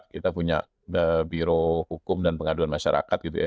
kita punya biro hukum dan pengaduan masyarakat gitu ya